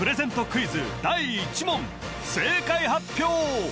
クイズ第１問正解発表！